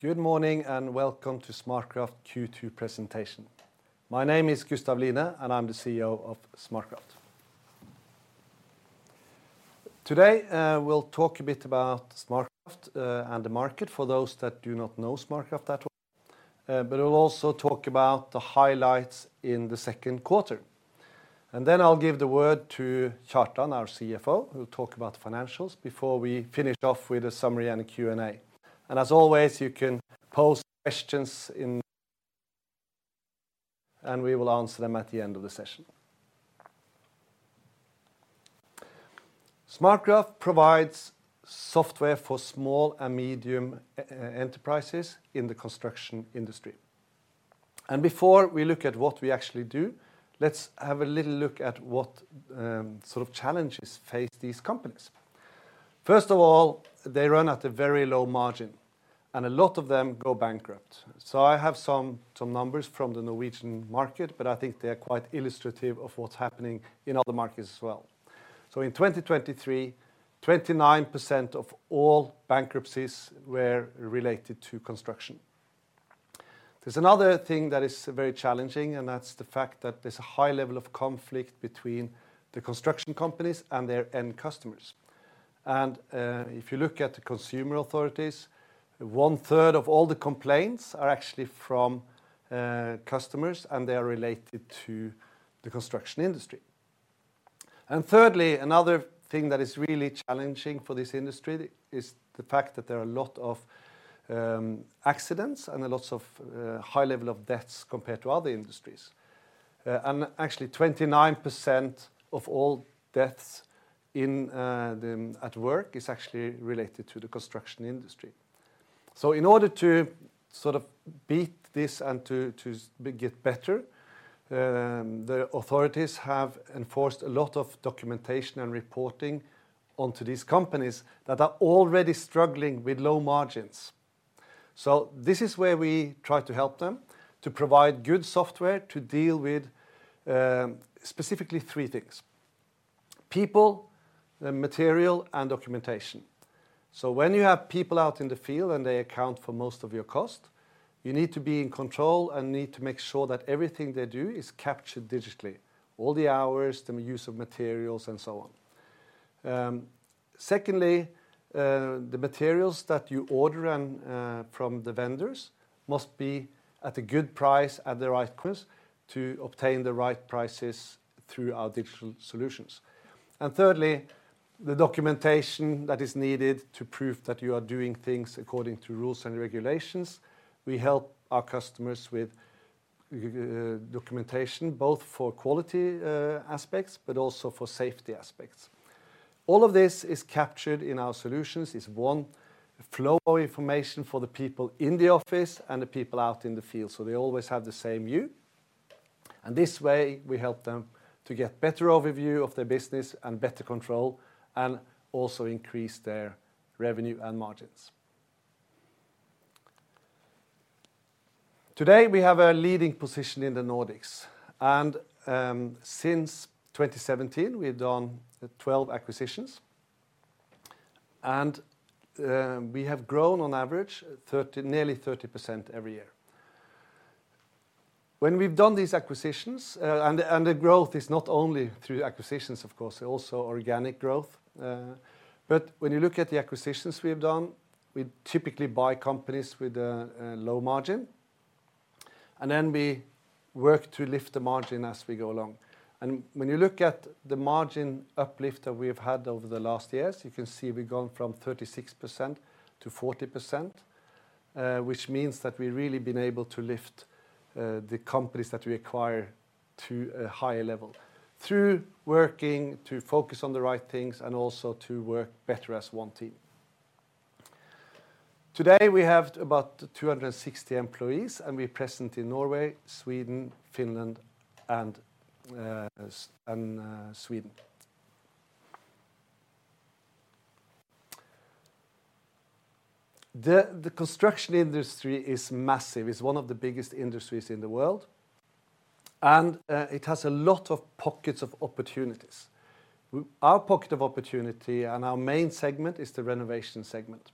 Good morning, and welcome to SmartCraft Q2 presentation. My name is Gustav Line, and I'm the CEO of SmartCraft. Today, we'll talk a bit about SmartCraft, and the market for those that do not know SmartCraft at all, but we'll also talk about the highlights in the second quarter, and then I'll give the word to Kjartan Bø, our CFO, who'll talk about the financials before we finish off with a summary and a Q&A, and as always, you can pose questions in, and we will answer them at the end of the session. SmartCraft provides software for small and medium enterprises in the construction industry, and before we look at what we actually do, let's have a little look at what sort of challenges face these companies. First of all, they run at a very low margin, and a lot of them go bankrupt. So I have some numbers from the Norwegian market, but I think they are quite illustrative of what's happening in other markets as well. So in twenty twenty-three, 29% of all bankruptcies were related to construction. There's another thing that is very challenging, and that's the fact that there's a high level of conflict between the construction companies and their end customers. And if you look at the consumer authorities, one-third of all the complaints are actually from customers, and they are related to the construction industry. And thirdly, another thing that is really challenging for this industry is the fact that there are a lot of accidents and a lots of high level of deaths compared to other industries. And actually, 29% of all deaths in the at work is actually related to the construction industry. So in order to sort of beat this and to get better, the authorities have enforced a lot of documentation and reporting onto these companies that are already struggling with low margins. So this is where we try to help them, to provide good software to deal with, specifically three things: people, the material, and documentation. So when you have people out in the field, and they account for most of your cost, you need to be in control and need to make sure that everything they do is captured digitally, all the hours, the use of materials, and so on. Secondly, the materials that you order and from the vendors must be at a good price, at the right place to obtain the right prices through our digital solutions. And thirdly, the documentation that is needed to prove that you are doing things according to rules and regulations, we help our customers with, documentation, both for quality, aspects, but also for safety aspects. All of this is captured in our solutions. It's one flow of information for the people in the office and the people out in the field, so they always have the same view, and this way, we help them to get better overview of their business and better control and also increase their revenue and margins. Today, we have a leading position in the Nordics, and since 2017, we've done twelve acquisitions, and we have grown on average nearly 30% every year. When we've done these acquisitions, and the growth is not only through acquisitions, of course, also organic growth, but when you look at the acquisitions we have done, we typically buy companies with a low margin, and then we work to lift the margin as we go along. And when you look at the margin uplift that we've had over the last years, you can see we've gone from 36% to 40%, which means that we've really been able to lift the companies that we acquire to a higher level through working to focus on the right things and also to work better as one team. Today, we have about 260 employees, and we're present in Norway, Sweden, and Finland. The construction industry is massive. It's one of the biggest industries in the world, and it has a lot of pockets of opportunities. Our pocket of opportunity and our main segment is the renovation segment.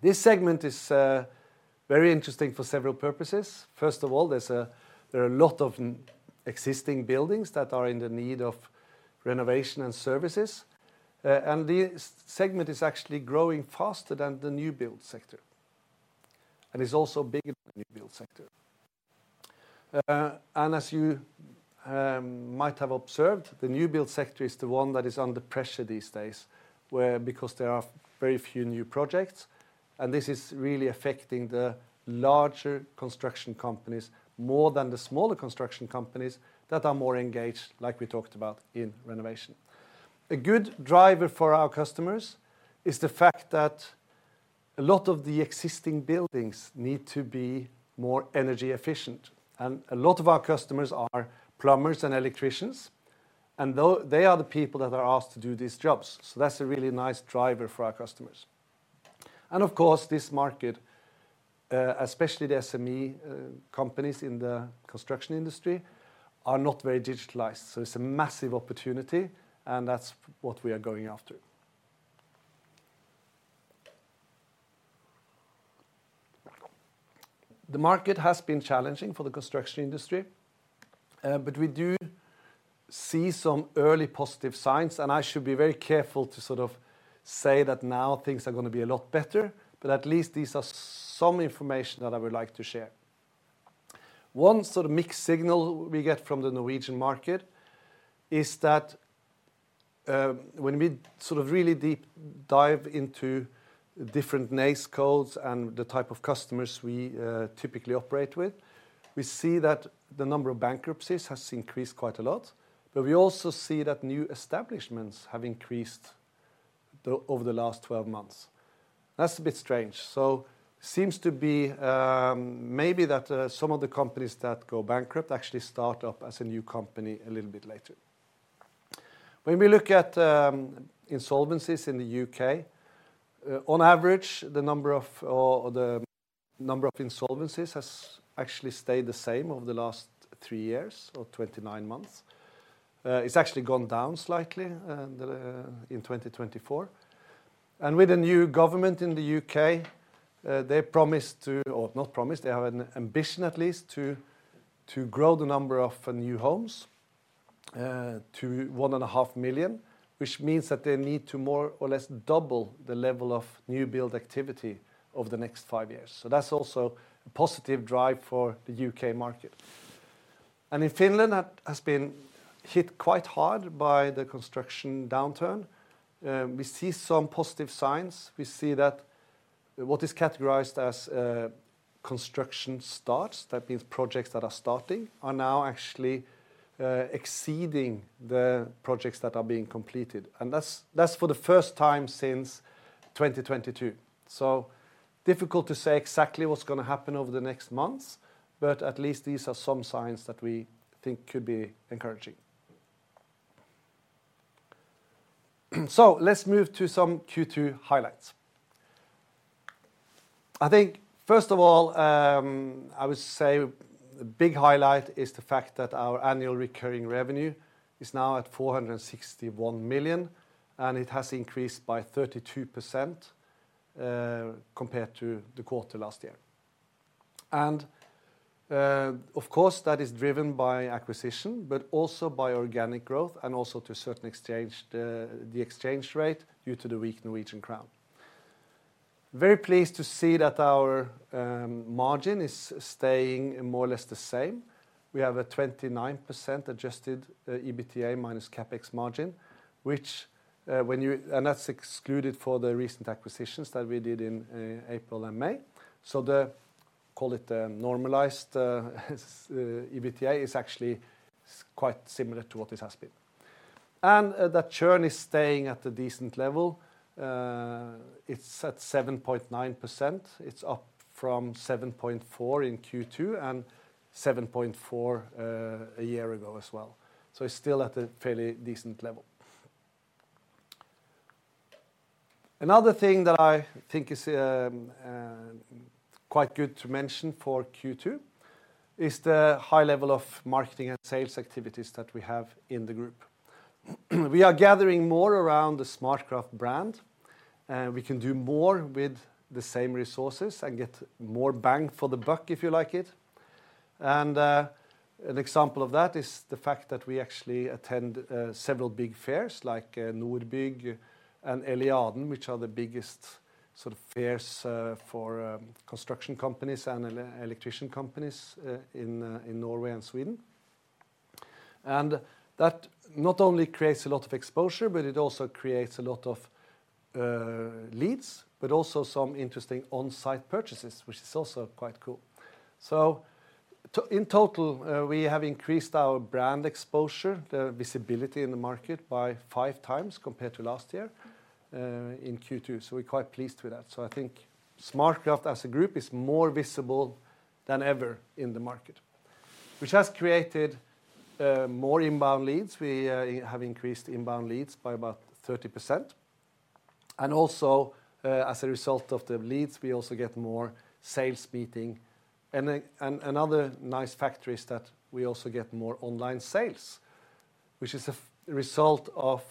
This segment is very interesting for several purposes. First of all, there are a lot of existing buildings that are in the need of renovation and services, and this segment is actually growing faster than the new-build sector, and it's also bigger than the new-build sector. And as you might have observed, the new-build sector is the one that is under pressure these days, where, because there are very few new projects, and this is really affecting the larger construction companies more than the smaller construction companies that are more engaged, like we talked about in renovation. A good driver for our customers is the fact that a lot of the existing buildings need to be more energy efficient, and a lot of our customers are plumbers and electricians, and though they are the people that are asked to do these jobs, so that's a really nice driver for our customers. And of course, this market, especially the SME companies in the construction industry are not very digitalized, so it's a massive opportunity, and that's what we are going after. The market has been challenging for the construction industry, but we do see some early positive signs, and I should be very careful to sort of say that now things are gonna be a lot better, but at least these are some information that I would like to share. One sort of mixed signal we get from the Norwegian market is that, when we sort of really deep dive into different NACE codes and the type of customers we typically operate with, we see that the number of bankruptcies has increased quite a lot, but we also see that new establishments have increased over the last twelve months. That's a bit strange. So seems to be maybe that some of the companies that go bankrupt actually start up as a new company a little bit later. When we look at insolvencies in the U.K., on average, the number of insolvencies has actually stayed the same over the last three years or twenty-nine months. It's actually gone down slightly in 2024. And with the new government in the U.K., they promised to, or not promised, they have an ambition at least to, to grow the number of new homes, to 1.5 million, which means that they need to more or less double the level of new build activity over the next five years. So that's also a positive drive for the U.K. market. And in Finland, that has been hit quite hard by the construction downturn. We see some positive signs. We see that what is categorized as, construction starts, that means projects that are starting, are now actually exceeding the projects that are being completed. And that's for the first time since 2022. So difficult to say exactly what's gonna happen over the next months, but at least these are some signs that we think could be encouraging. Let's move to some Q2 highlights. I think, first of all, I would say a big highlight is the fact that our annual recurring revenue is now at 461 million, and it has increased by 32%, compared to the quarter last year. Of course, that is driven by acquisition, but also by organic growth and also to a certain extent by the exchange rate due to the weak Norwegian crown. Very pleased to see that our margin is staying more or less the same. We have a 29% adjusted EBITDA minus CapEx margin, which and that's excluded for the recent acquisitions that we did in April and May. Call it the normalized EBITDA is actually quite similar to what this has been. That churn is staying at a decent level. It's at 7.9%. It's up from 7.4% in Q2 and 7.4% a year ago as well. It's still at a fairly decent level. Another thing that I think is quite good to mention for Q2 is the high level of marketing and sales activities that we have in the group. We are gathering more around the SmartCraft brand, and we can do more with the same resources and get more bang for the buck, if you like it. An example of that is the fact that we actually attend several big fairs, like Nordbygg and Eliaden, which are the biggest sort of fairs for construction companies and electrician companies in Norway and Sweden. And that not only creates a lot of exposure, but it also creates a lot of leads, but also some interesting on-site purchases, which is also quite cool. So in total, we have increased our brand exposure, the visibility in the market, by five times compared to last year, in Q2, so we're quite pleased with that. So I think SmartCraft as a group is more visible than ever in the market, which has created more inbound leads. We have increased inbound leads by about 30%, and also, as a result of the leads, we also get more sales meeting. Another nice factor is that we also get more online sales, which is a result of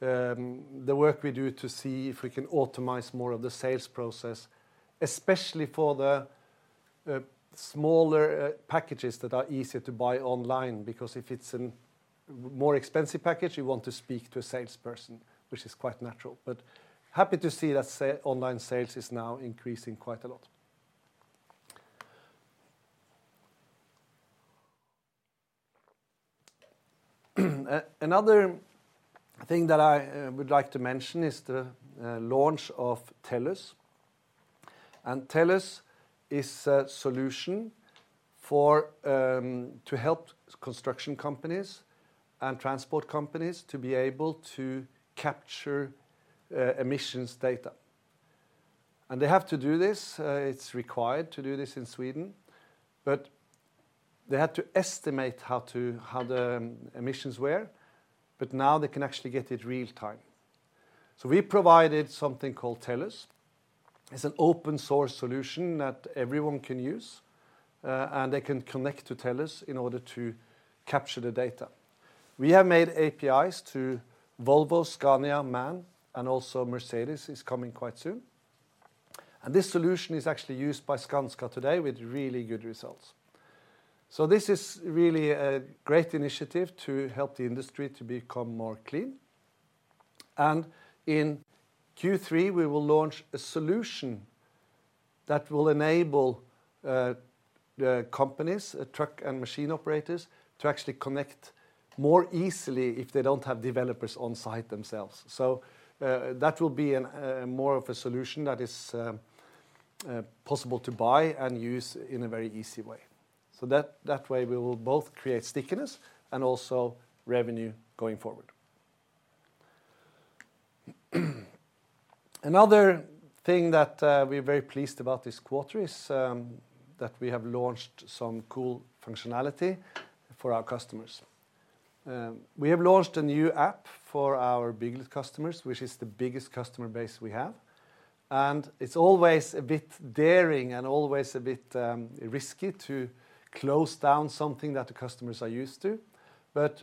the work we do to see if we can optimize more of the sales process, especially for the smaller packages that are easier to buy online. Because if it's a more expensive package, you want to speak to a salesperson, which is quite natural, but happy to see that online sales is now increasing quite a lot. Another thing that I would like to mention is the launch of Telus. Telus is a solution to help construction companies and transport companies to be able to capture emissions data. And they have to do this. It's required to do this in Sweden, but they had to estimate how to, how the emissions were, but now they can actually get it real time. So we provided something called Telus. It's an open-source solution that everyone can use, and they can connect to Telus in order to capture the data. We have made APIs to Volvo, Scania, MAN, and also Mercedes is coming quite soon, and this solution is actually used by Skanska today with really good results. So this is really a great initiative to help the industry to become more clean. And in Q3, we will launch a solution that will enable companies, truck and machine operators, to actually connect more easily if they don't have developers on site themselves. So, that will be more of a solution that is possible to buy and use in a very easy way. So that way, we will both create stickiness and also revenue going forward. Another thing that we're very pleased about this quarter is that we have launched some cool functionality for our customers. We have launched a new app for our big customers, which is the biggest customer base we have, and it's always a bit daring and always a bit risky to close down something that the customers are used to. But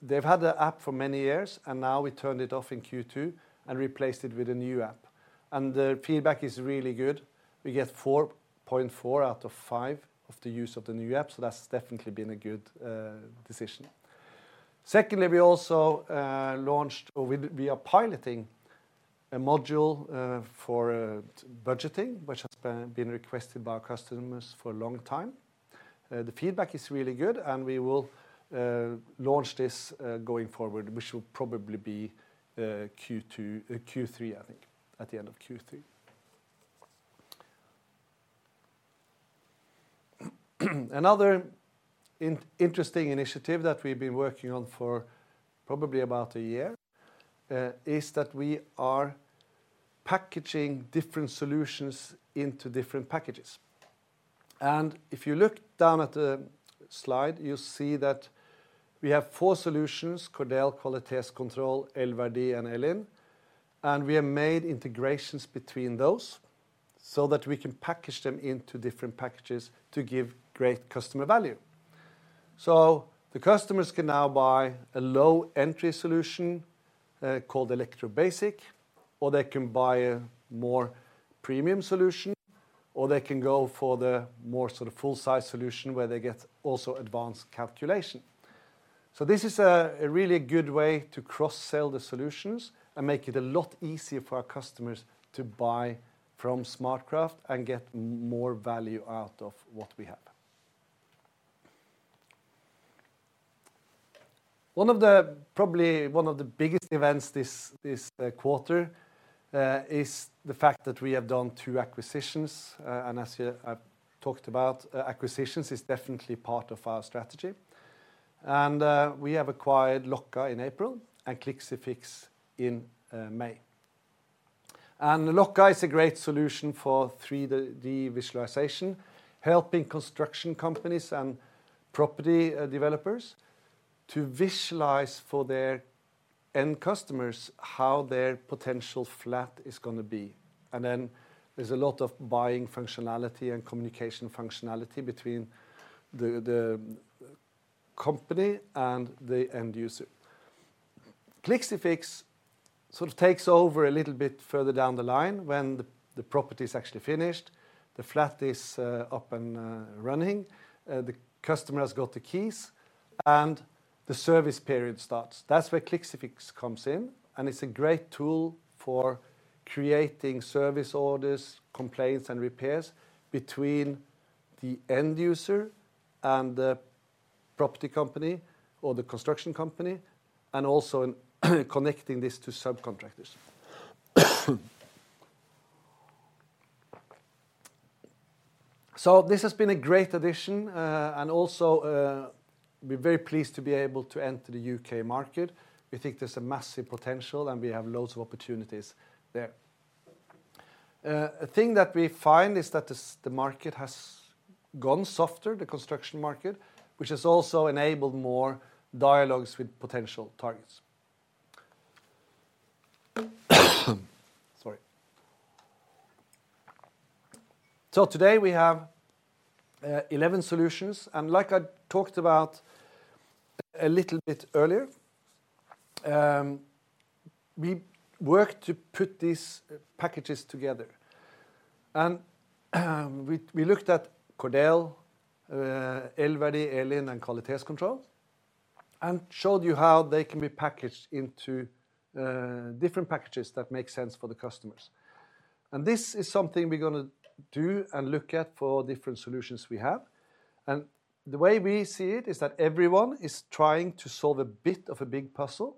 they've had the app for many years, and now we turned it off in Q2 and replaced it with a new app, and the feedback is really good. We get 4.4 out of 5 of the use of the new app, so that's definitely been a good decision. Secondly, we also launched, or we are piloting a module for budgeting, which has been requested by our customers for a long time. The feedback is really good, and we will launch this going forward, which will probably be Q2, Q3, I think, at the end of Q3. Another interesting initiative that we've been working on for probably about a year is that we are packaging different solutions into different packages. And if you look down at the slide, you'll see that we have four solutions, Cordel, Quality Test Control, El-verdi, and Elin, and we have made integrations between those so that we can package them into different packages to give great customer value. So the customers can now buy a low-entry solution called Electro Basic, or they can buy a more premium solution, or they can go for the more sort of full-size solution, where they get also advanced calculation. So this is a really good way to cross-sell the solutions and make it a lot easier for our customers to buy from SmartCraft and get more value out of what we have. One of the probably one of the biggest events this quarter is the fact that we have done two acquisitions, and as I've talked about, acquisitions is definitely part of our strategy. And we have acquired Lokka in April and Clixifix in May. Lokka is a great solution for 3D visualization, helping construction companies and property developers to visualize for their end customers how their potential flat is gonna be. And then there's a lot of buying functionality and communication functionality between the company and the end user. Clixifix sort of takes over a little bit further down the line when the property is actually finished, the flat is up and running, the customer has got the keys, and the service period starts. That's where Clixifix comes in, and it's a great tool for creating service orders, complaints, and repairs between the end user and the property company or the construction company, and also in connecting this to subcontractors. So this has been a great addition, and also we're very pleased to be able to enter the U.K. market. We think there's a massive potential, and we have loads of opportunities there. A thing that we find is that the market has gone softer, the construction market, which has also enabled more dialogues with potential targets. Sorry. So today, we have 11 solutions, and like I talked about a little bit earlier, we worked to put these packages together, and we looked at Cordel, El-verdi, Elin, and Quality Test Control, and showed you how they can be packaged into different packages that make sense for the customers. And this is something we're gonna do and look at for different solutions we have, and the way we see it is that everyone is trying to solve a bit of a big puzzle,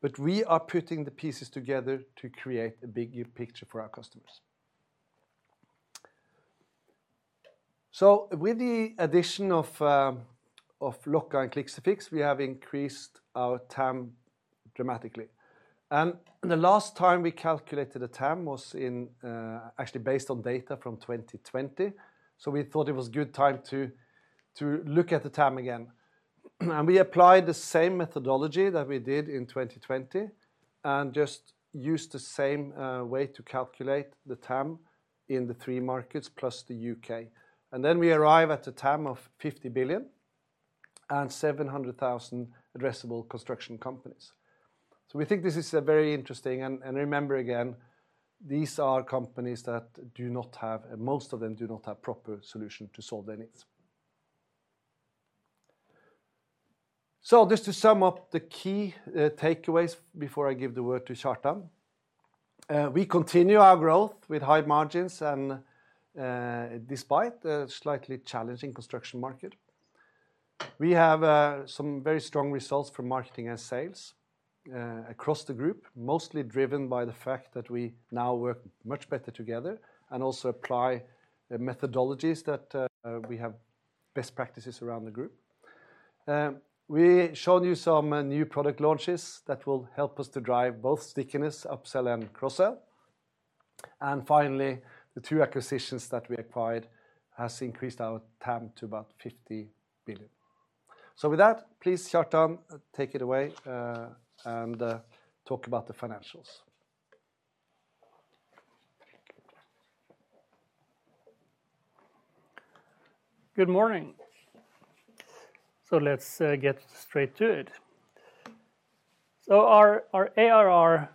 but we are putting the pieces together to create a bigger picture for our customers. With the addition of Lokka and Clixifix, we have increased our TAM dramatically. The last time we calculated a TAM was actually based on data from twenty twenty, so we thought it was good time to look at the TAM again, and we applied the same methodology that we did in twenty twenty, and just used the same way to calculate the TAM in the three markets, plus the UK. Then we arrive at a TAM of 50.7 billion addressable construction companies. We think this is very interesting, and remember, again, these are companies that do not have, most of them do not have proper solution to solve their needs. Just to sum up the key takeaways before I give the word to Kjartan. We continue our growth with high margins and, despite a slightly challenging construction market. We have some very strong results from marketing and sales across the group, mostly driven by the fact that we now work much better together and also apply the methodologies that we have best practices around the group. We've shown you some new product launches that will help us to drive both stickiness, upsell, and cross-sell, and finally, the two acquisitions that we acquired has increased our TAM to about 50 billion, so with that, please, Kjartan, take it away and talk about the financials. Good morning. So let's get straight to it. So our ARR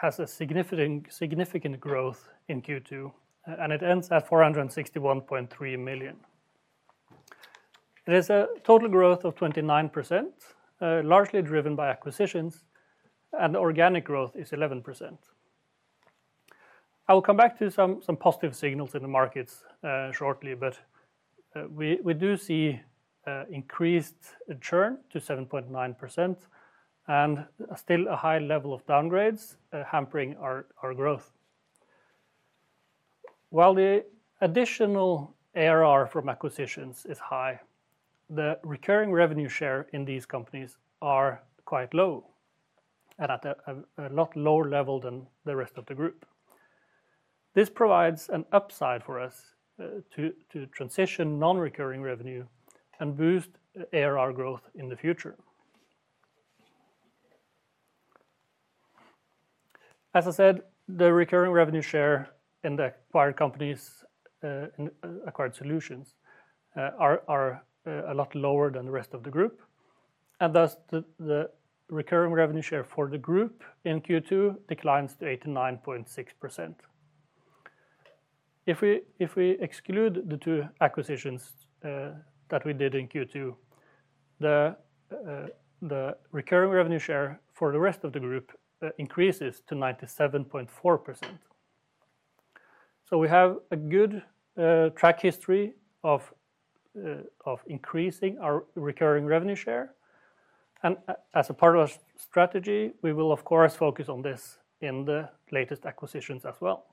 has a significant growth in Q2, and it ends at 461.3 million. It is a total growth of 29%, largely driven by acquisitions, and organic growth is 11%. I will come back to some positive signals in the markets, shortly, but we do see increased churn to 7.9% and still a high level of downgrades, hampering our growth. While the additional ARR from acquisitions is high, the recurring revenue share in these companies are quite low, and at a lot lower level than the rest of the group. This provides an upside for us, to transition non-recurring revenue and boost ARR growth in the future. As I said, the recurring revenue share in the acquired companies and acquired solutions are a lot lower than the rest of the group, and thus, the recurring revenue share for the group in Q2 declines to 89.6%. If we exclude the two acquisitions that we did in Q2, the recurring revenue share for the rest of the group increases to 97.4%. So we have a good track history of increasing our recurring revenue share, and as a part of our strategy, we will, of course, focus on this in the latest acquisitions as well.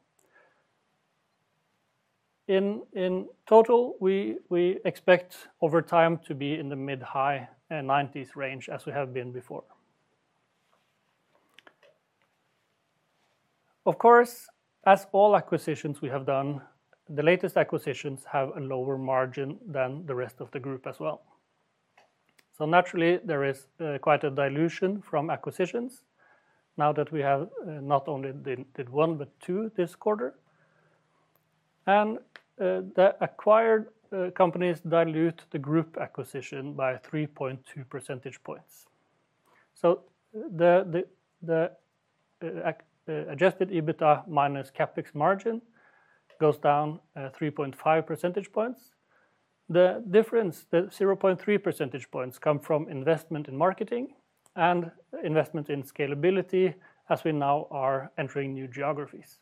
In total, we expect over time to be in the mid-high nineties range as we have been before. Of course, as all acquisitions we have done, the latest acquisitions have a lower margin than the rest of the group as well, so naturally there is quite a dilution from acquisitions now that we have not only did one, but two this quarter, and the acquired companies dilute the group acquisition by 3.2 percentage points, so the adjusted EBITDA minus CapEx margin goes down 3.5 percentage points. The difference, the 0.3 percentage points, come from investment in marketing and investment in scalability, as we now are entering new geographies.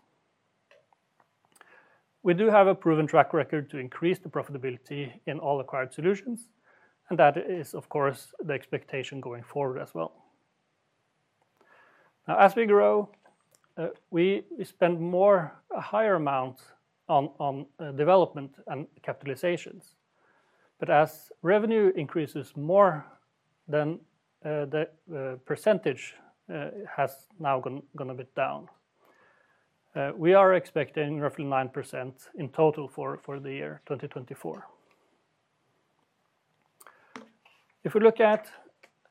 We do have a proven track record to increase the profitability in all acquired solutions, and that is, of course, the expectation going forward as well. Now, as we grow, we spend more, a higher amount on development and capitalizations. As revenue increases more, then, the percentage has now gone a bit down. We are expecting roughly 9% in total for the year 2024. If we look at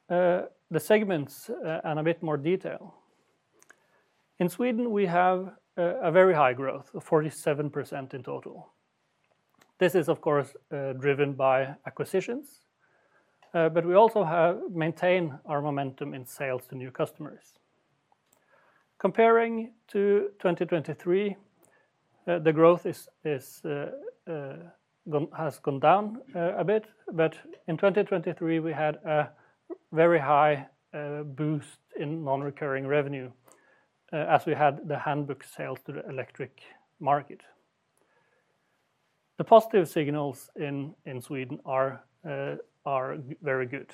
the segments in a bit more detail, in Sweden, we have a very high growth of 47% in total. This is, of course, driven by acquisitions, but we also have maintained our momentum in sales to new customers. Comparing to 2023, the growth has gone down a bit, but in 2023, we had a very high boost in non-recurring revenue, as we had the handbook sales to the electric market. The positive signals in Sweden are very good.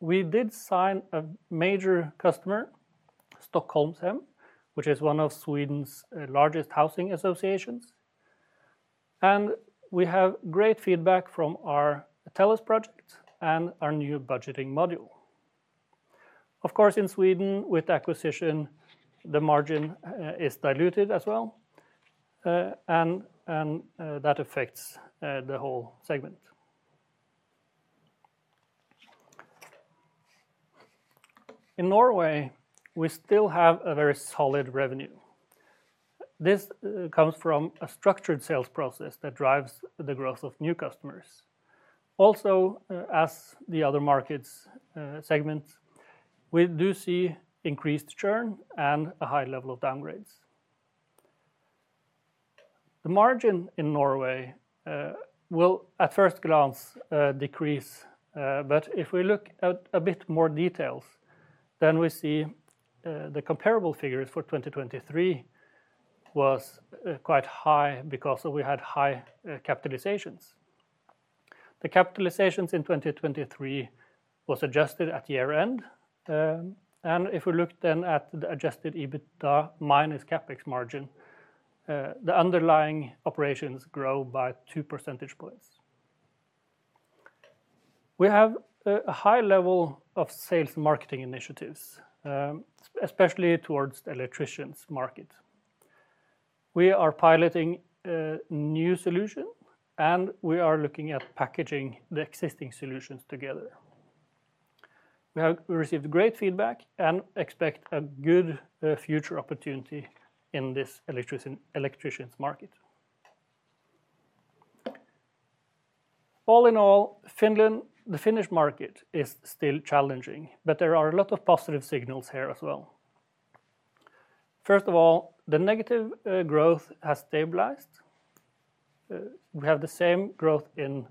We did sign a major customer, Stockholmshem, which is one of Sweden's largest housing associations. We have great feedback from our Telus project and our new budgeting module. Of course, in Sweden, with acquisition, the margin is diluted as well, and that affects the whole segment. In Norway, we still have a very solid revenue. This comes from a structured sales process that drives the growth of new customers. Also, as the other markets segments, we do see increased churn and a high level of downgrades. The margin in Norway will, at first glance, decrease, but if we look at a bit more details, then we see the comparable figures for 2023 was quite high because we had high capitalizations. The CapEx in 2023 was adjusted at year-end, and if we look then at the adjusted EBITDA minus CapEx margin, the underlying operations grow by two percentage points. We have a high level of sales and marketing initiatives, especially towards the electricians market. We are piloting a new solution, and we are looking at packaging the existing solutions together. We have received great feedback and expect a good future opportunity in this electricians market. All in all, Finland, the Finnish market is still challenging, but there are a lot of positive signals here as well. First of all, the negative growth has stabilized. We have the same growth in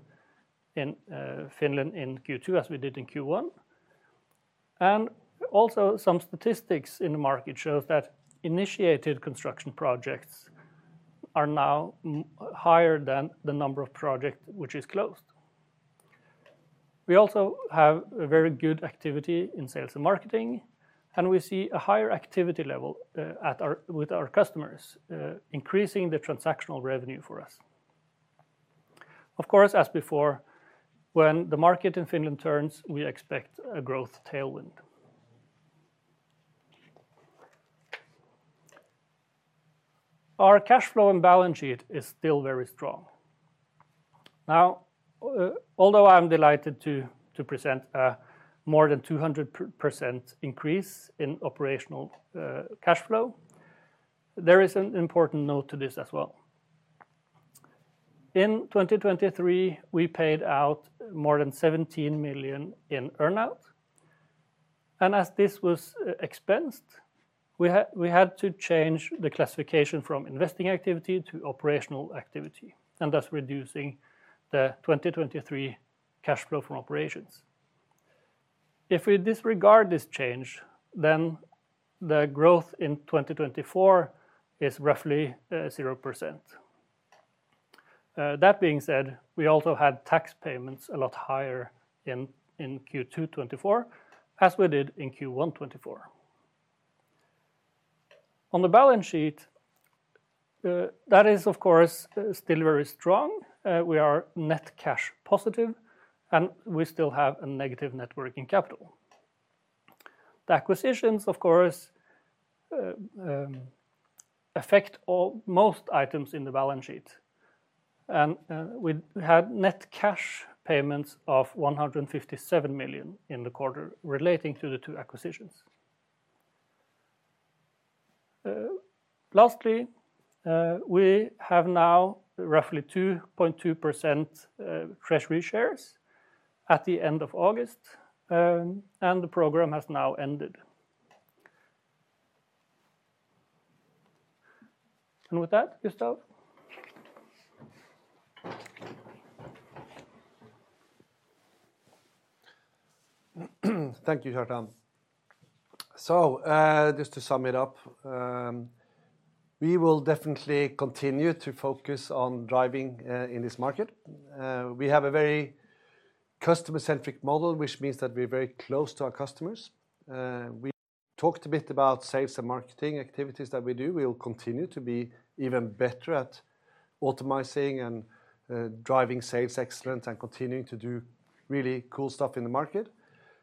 Finland in Q2 as we did in Q1, and also some statistics in the market shows that initiated construction projects are now higher than the number of project which is closed. We also have a very good activity in sales and marketing, and we see a higher activity level with our customers, increasing the transactional revenue for us. Of course, as before, when the market in Finland turns, we expect a growth tailwind. Our cash flow and balance sheet is still very strong. Now, although I'm delighted to present a more than 200% increase in operational cash flow, there is an important note to this as well. In 2023, we paid out more than 17 million in earn-out, and as this was expensed, we had to change the classification from investing activity to operational activity, and thus reducing the 2023 cash flow from operations. If we disregard this change, then the growth in 2024 is roughly 0%. That being said, we also had tax payments a lot higher in Q2 2024, as we did in Q1 2024. On the balance sheet, that is, of course, still very strong. We are net cash positive, and we still have a negative net working capital. The acquisitions, of course, affect most items in the balance sheet, and we had net cash payments of 157 million in the quarter relating to the two acquisitions. Lastly, we have now roughly 2.2% treasury shares at the end of August, and the program has now ended. And with that, Gustav? Thank you, Kjartan. So just to sum it up, we will definitely continue to focus on driving in this market. We have a very customer-centric model, which means that we're very close to our customers. We talked a bit about sales and marketing activities that we do. We will continue to be even better at optimizing and driving sales excellence and continuing to do really cool stuff in the market,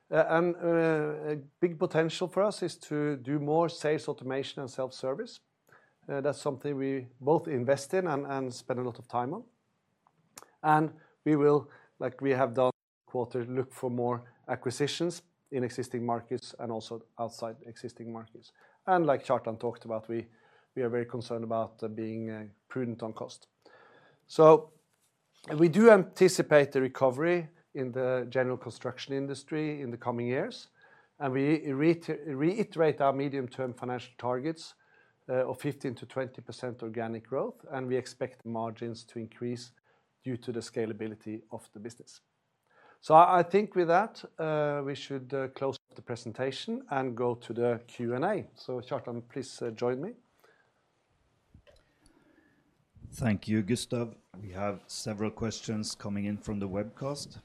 and a big potential for us is to do more sales automation and self-service. That's something we both invest in and spend a lot of time on. And we will, like we have done this quarter, look for more acquisitions in existing markets and also outside existing markets. And like Kjartan talked about, we are very concerned about being prudent on cost. So we do anticipate the recovery in the general construction industry in the coming years, and we reiterate our medium-term financial targets of 15%-20% organic growth, and we expect margins to increase due to the scalability of the business. So I think with that, we should close the presentation and go to the Q&A. So Kjartan, please, join me. Thank you, Gustav. We have several questions coming in from the webcast.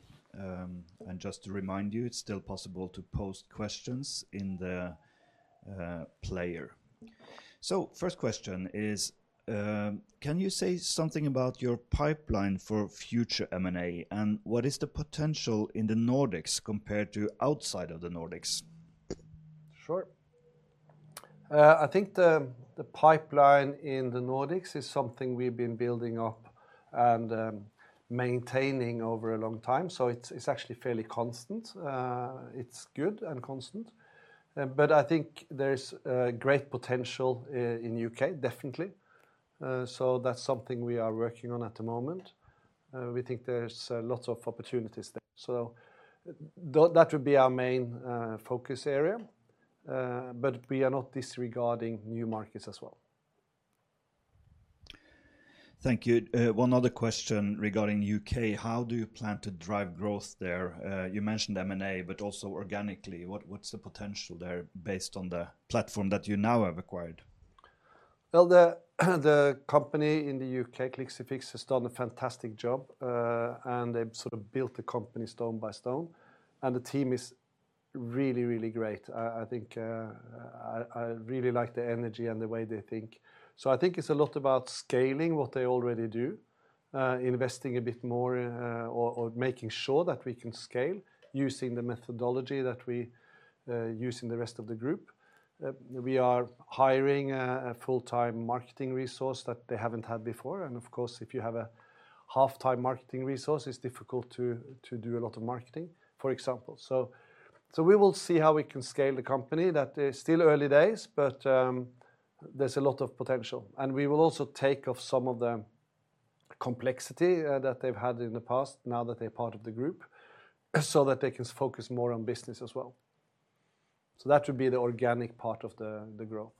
Just to remind you, it's still possible to post questions in the player. So first question is, can you say something about your pipeline for future M&A, and what is the potential in the Nordics compared to outside of the Nordics? Sure. I think the pipeline in the Nordics is something we've been building up and maintaining over a long time, so it's actually fairly constant. It's good and constant. But I think there's great potential in UK, definitely. So that's something we are working on at the moment. We think there's lots of opportunities there. So that would be our main focus area, but we are not disregarding new markets as well. Thank you. One other question regarding U.K.: How do you plan to drive growth there? You mentioned M&A, but also organically, what's the potential there based on the platform that you now have acquired? The company in the UK, Clixifix, has done a fantastic job, and they've sort of built the company stone by stone, and the team is really, really great. I think I really like the energy and the way they think, so I think it's a lot about scaling what they already do, investing a bit more, or making sure that we can scale using the methodology that we use in the rest of the group. We are hiring a full-time marketing resource that they haven't had before, and of course, if you have a half-time marketing resource, it's difficult to do a lot of marketing, for example, so we will see how we can scale the company. That is still early days, but there's a lot of potential. We will also take off some of the complexity that they've had in the past now that they're part of the group, so that they can focus more on business as well. That would be the organic part of the growth.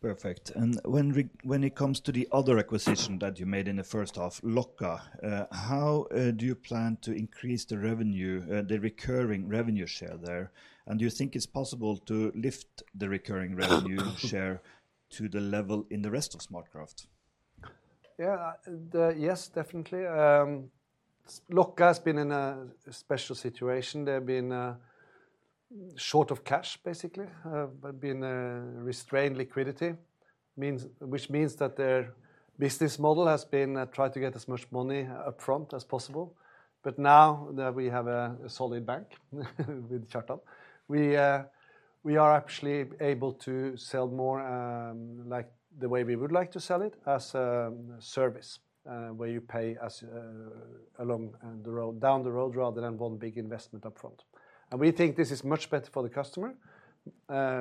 Perfect, and when it comes to the other acquisition that you made in the first half, Lokka, how do you plan to increase the revenue, the recurring revenue share there? And do you think it's possible to lift the recurring revenue share to the level in the rest of SmartCraft? Yeah, yes, definitely. Lokka has been in a special situation. They've been short of cash, basically. But been restrained liquidity, which means that their business model has been try to get as much money upfront as possible. Now that we have a solid bank, with Kjartan Bø, we are actually able to sell more, like the way we would like to sell it, as a service, where you pay as, along the road, down the road, rather than one big investment upfront. We think this is much better for the customer,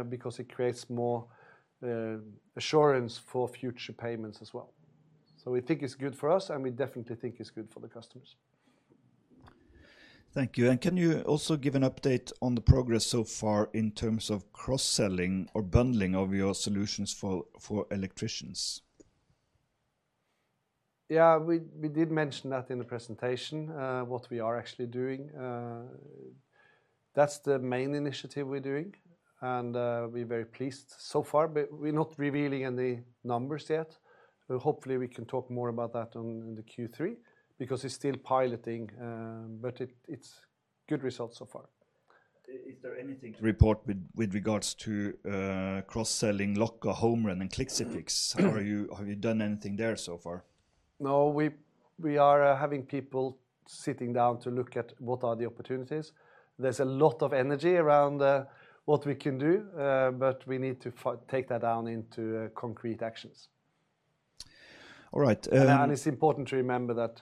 because it creates more assurance for future payments as well. We think it's good for us, and we definitely think it's good for the customers. Thank you, and can you also give an update on the progress so far in terms of cross-selling or bundling of your solutions for electricians? Yeah, we did mention that in the presentation, what we are actually doing. That's the main initiative we're doing, and we're very pleased so far, but we're not revealing any numbers yet. But hopefully we can talk more about that on the Q3, because it's still piloting, but it's good results so far. Is there anything to report with regards to cross-selling Lokka, Homerun, and Clixifix? How are you... Have you done anything there so far? No, we are having people sitting down to look at what are the opportunities. There's a lot of energy around what we can do, but we need to take that down into concrete actions. All right. It's important to remember that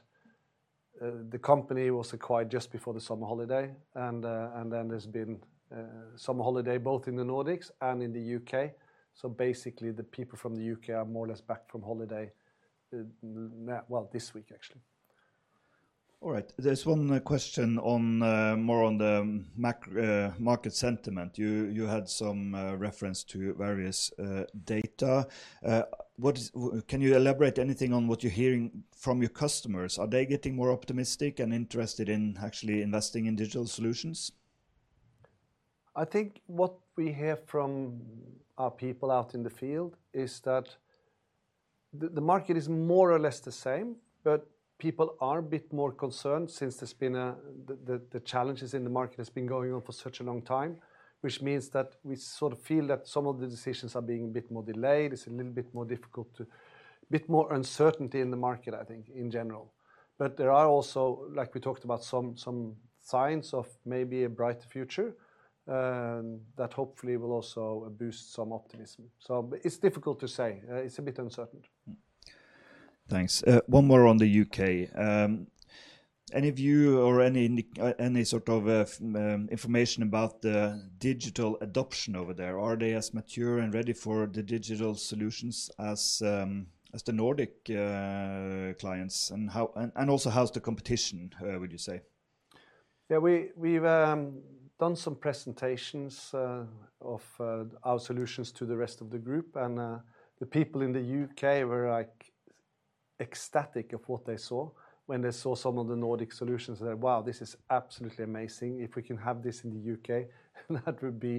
the company was acquired just before the summer holiday, and then there's been summer holiday, both in the Nordics and in the U.K. Basically, the people from the U.K. are more or less back from holiday now, well, this week, actually. All right. There's one question on more on the macro market sentiment. You had some reference to various data. Can you elaborate anything on what you're hearing from your customers? Are they getting more optimistic and interested in actually investing in digital solutions? I think what we hear from our people out in the field is that the market is more or less the same, but people are a bit more concerned since there's been the challenges in the market has been going on for such a long time, which means that we sort of feel that some of the decisions are being a bit more delayed. It's a little bit more difficult. A bit more uncertainty in the market, I think, in general, but there are also, like we talked about, some signs of maybe a bright future, and that hopefully will also boost some optimism, but it's difficult to say. It's a bit uncertain. Mm. Thanks. One more on the UK. Any view or any sort of information about the digital adoption over there? Are they as mature and ready for the digital solutions as, as the Nordic clients? And also, how's the competition, would you say? Yeah, we've done some presentations of our solutions to the rest of the group, and the people in the UK were, like, ecstatic of what they saw. When they saw some of the Nordic solutions, they said, "Wow, this is absolutely amazing. If we can have this in the UK, that would be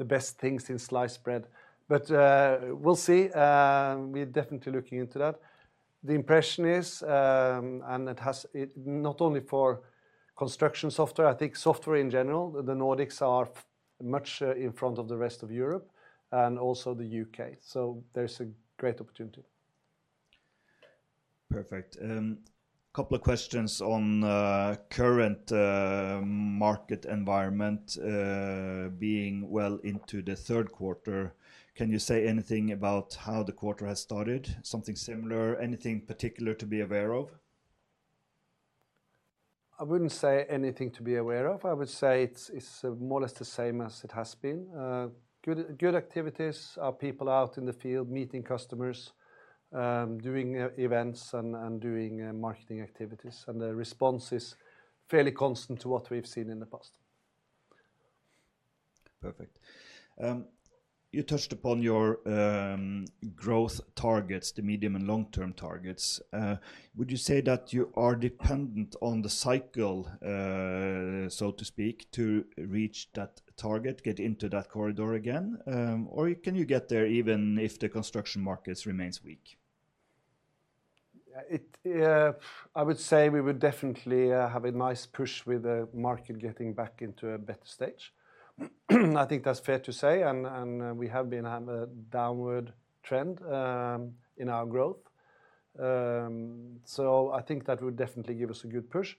the best thing since sliced bread." But we'll see. We're definitely looking into that. The impression is not only for construction software, I think software in general, the Nordics are much in front of the rest of Europe and also the UK, so there's a great opportunity. Perfect. Couple of questions on current market environment, being well into the third quarter. Can you say anything about how the quarter has started? Something similar, anything particular to be aware of? I wouldn't say anything to be aware of. I would say it's more or less the same as it has been. Good activities, our people out in the field, meeting customers, doing e-events and doing marketing activities, and the response is fairly constant to what we've seen in the past. Perfect. You touched upon your growth targets, the medium and long-term targets. Would you say that you are dependent on the cycle, so to speak, to reach that target, get into that corridor again? Or can you get there even if the construction markets remains weak? Yeah, I would say we would definitely have a nice push with the market getting back into a better stage. I think that's fair to say, and we have been on a downward trend in our growth. So I think that would definitely give us a good push.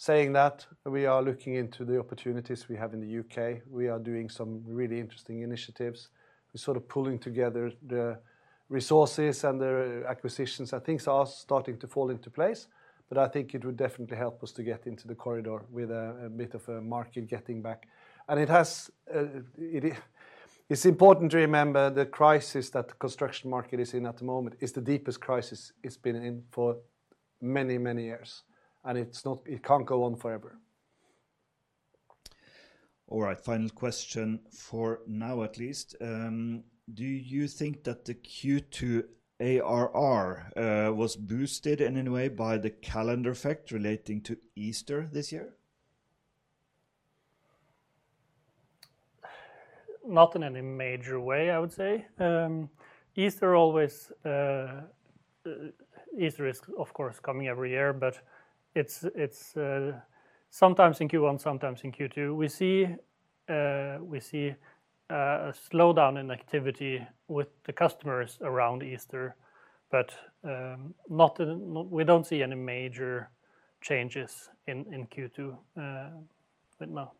Saying that, we are looking into the opportunities we have in the U.K. We are doing some really interesting initiatives. We're sort of pulling together the resources and the acquisitions, and things are starting to fall into place, but I think it would definitely help us to get into the corridor with a bit of a market getting back. It's important to remember the crisis that the construction market is in at the moment is the deepest crisis it's been in for many, many years, and it's not. It can't go on forever. All right, final question for now, at least. Do you think that the Q2 ARR was boosted in any way by the calendar effect relating to Easter this year? Not in any major way, I would say. Easter is, of course, coming every year, but it's sometimes in Q1, sometimes in Q2. We see a slowdown in activity with the customers around Easter, but we don't see any major changes in Q2 with more.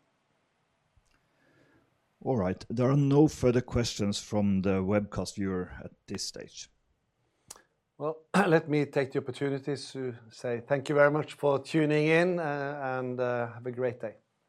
All right. There are no further questions from the webcast viewer at this stage. Let me take the opportunity to say thank you very much for tuning in, and have a great day.